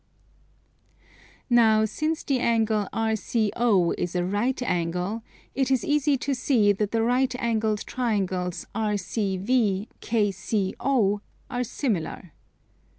Now since the angle RCO is a right angle, it is easy to see that the right angled triangles RCV, KCO, are similar.